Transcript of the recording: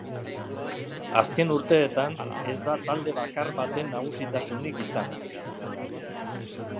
Azken urteetan ez da talde bakar baten nagusitasunik izan.